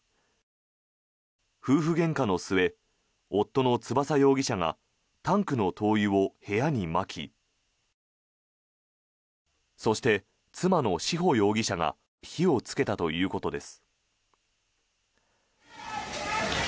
夫婦げんかの末、夫の翼容疑者がタンクの灯油を部屋にまきそして、妻の志保容疑者が火をつけたということです。